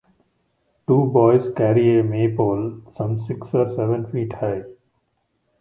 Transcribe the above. Two boys carry a maypole some six or seven feet high.